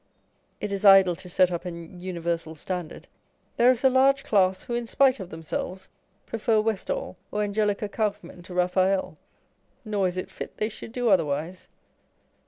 It is idle to set up an universal standard, there is a large class who, in spite of themselves, prefer Westall or Angelica Kauffman to Raphael : nor is it fit they should do otherwise.